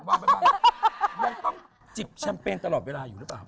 ยังต้องจิบแชมเปญตลอดเวลาอยู่หรือเปล่า